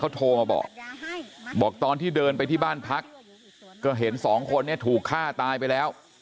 โทรมาบอกบอกตอนที่เดินไปที่บ้านพักก็เห็นสองคนเนี่ยถูกฆ่าตายไปแล้ว